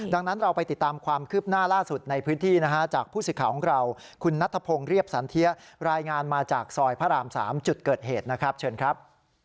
ดังนั้นเราไปติดตามความคืบหน้าล่าสุดในพื้นที่นะฮะจากผู้สื่อข่าวของเราคุณนัทพงศ์เรียบสันเทียรายงานมาจากซอยพระราม๓จุดเกิดเหตุนะครับเชิญครับ